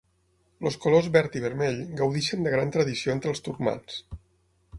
Els colors verd i vermell gaudeixen de gran tradició entre els turcmans.